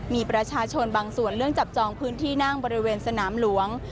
มีประชาชนบางส่วนเรื่องจับจองพื้นที่นั่งบริเวณสนามหลวง